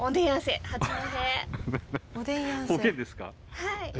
はい。